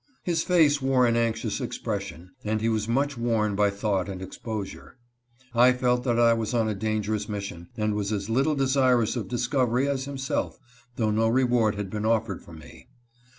His face wore an anxious expression, and he was much worn by thought and exposure. I felt that I was on a dangerous mission, and was as little desirous of discov ery as himself, though no reward had been offered for me.